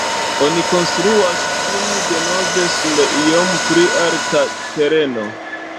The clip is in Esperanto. Oni konstruas ĝin denove sur iom pli alta tereno.